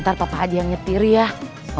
ntar papa aja yang nyetir ya